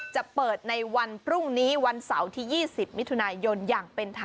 จะเปิดในวันพรุ่งนี้วันเสาร์ที่๒๐มิถูนายน